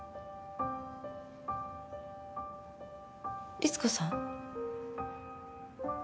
リツコさん？